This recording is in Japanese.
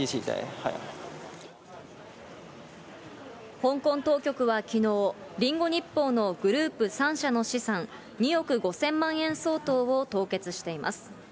香港当局はきのう、リンゴ日報のグループ３社の資産２億５０００万円相当を凍結しています。